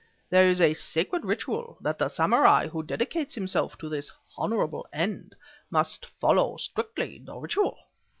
There is a sacred ritual, and the samurai who dedicates himself to this honorable end, must follow strictly the ritual.